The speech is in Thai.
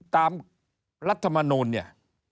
รัฐมนูลเนี่ย